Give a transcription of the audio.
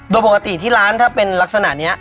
โดยปกติที่ร้านถ้าเป็นลักษณะนี้